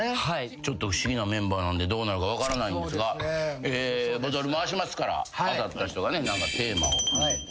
ちょっと不思議なメンバーなんでどうなるか分からないんですがボトル回しますから当たった人が何かテーマを。